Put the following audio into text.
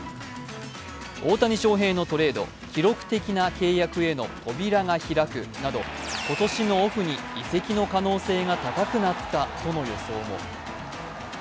大谷翔平のトレード記録的な契約への扉が開くなど今年のオフに移籍の可能性が高くなったとの予想も。